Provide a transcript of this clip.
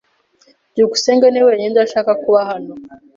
byukusenge niwe wenyine udashaka kuba hano.